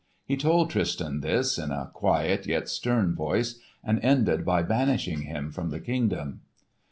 He told Tristan this, in a quiet yet stern voice, and ended by banishing him from the kingdom.